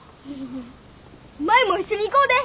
舞も一緒に行こうで。